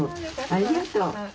ありがとう。